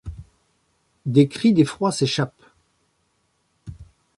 Des cris d’effroi s’échappent!